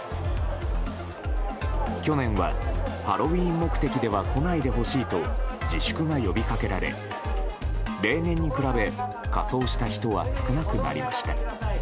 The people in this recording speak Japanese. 去年は、ハロウィーン目的では来ないでほしいと自粛が呼びかけられ例年に比べ仮装した人は少なくなりました。